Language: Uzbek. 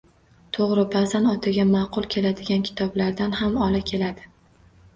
To‘g‘ri, ba’zan otaga ma’qul keladigan kitoblardan ham ola keladi